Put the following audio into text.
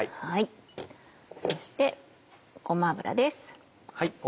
そしてごま油です。